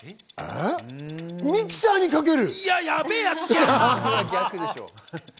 ミキサーにかける。